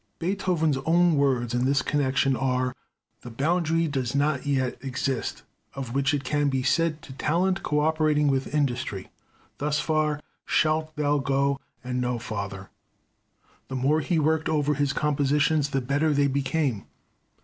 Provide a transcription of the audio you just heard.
Beethoven's own words in this connection are, "the boundary does not yet exist, of which it can be said to talent cooperating with industry, 'Thus far shalt thou go and no farther.'" The more he worked over his compositions the better they became.